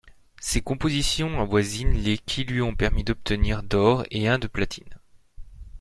Ses compositions avoisinent les qui lui ont permis d'obtenir d'or et un de platine.